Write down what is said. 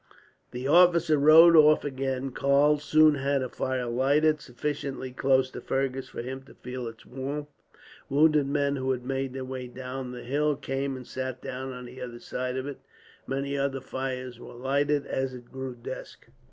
The officer rode off again. Karl soon had a fire lighted, sufficiently close to Fergus for him to feel its warmth. Wounded men, who had made their way down the hill, came and sat down on the other sides of it. Many other fires were lighted, as it grew dusk.